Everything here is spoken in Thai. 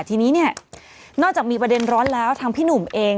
ทีนี้เนี่ยนอกจากมีประเด็นร้อนแล้วทางพี่หนุ่มเอง